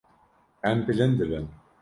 Em bilind dibin.